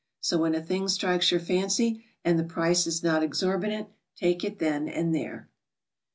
So wthen a thing strikes your fancy and the price is not exorbitant, take it then and there.